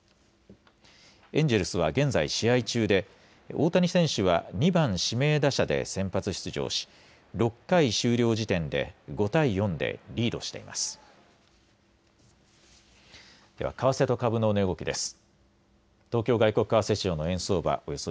エンジェルスは現在、試合中で大谷選手は２番・指名打者で先発出場し６回終了時点で５対４でリードしています。